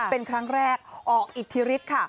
เป็นครั้งแรกออกอิทธิฤทธิ์ค่ะ